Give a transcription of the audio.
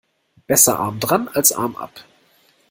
Besser arm dran als Arm ab.